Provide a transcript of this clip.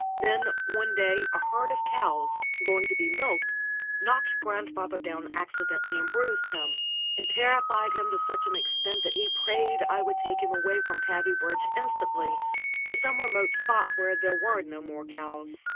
Then one day a herd of cows, going to be milked, knocked grandfather down accidentally and bruised him, and terrified him to such an extent that he prayed I would take him away from Tavybridge instantly, to some remote spot where there were no more cows.